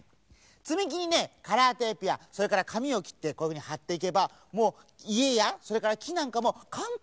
つみきにねカラーテープやそれからかみをきってこういうふうにはっていけばもういえやそれからきなんかもかんたんにできちゃうからね。